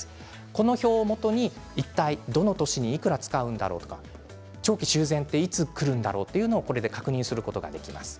この表をもとにいったいどの年にいくら使うのか長期修繕っていつくるんだろうというのを確認することができます。